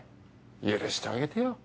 許してあげてよ。